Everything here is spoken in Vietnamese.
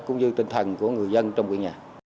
cũng như tinh thần của người dân trong quê nhà